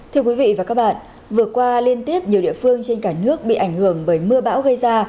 thưa quý vị và các bạn vừa qua liên tiếp nhiều địa phương trên cả nước bị ảnh hưởng bởi mưa bão gây ra